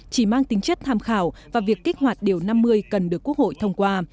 chỉ mang tính chất tham khảo và việc kích hoạt điều năm mươi cần được quốc hội thông qua